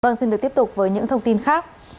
vâng xin được tiếp tục với những thông tin khác